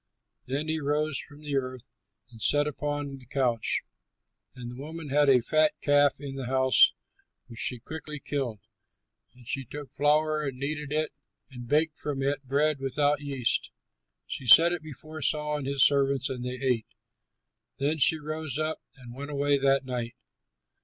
Then he rose from the earth and sat upon the couch. And the woman had a fat calf in the house which she quickly killed. And she took flour and kneaded it and baked from it bread without yeast. She set it before Saul and his servants, and they ate. Then they rose up and went away that night.